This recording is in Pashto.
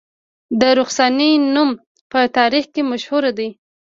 د رخسانې نوم په تاریخ کې مشهور دی